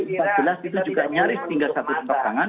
empat belas itu juga nyaris tinggal satu tempat tangan